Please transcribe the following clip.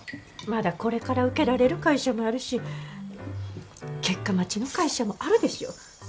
まだこれから受けられる会社もあるし結果待ちの会社もあるでしょ。